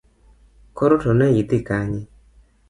Koro to neidhi Kanye?